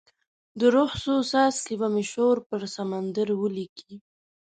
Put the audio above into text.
د روح څو څاڅکي به مې شور پر سمندر ولیکې